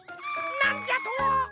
なんじゃと！？